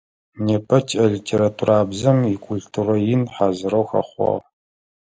Непэ тиӏэ литературабзэм икультурэ ин хьазырэу хэхъуагъ.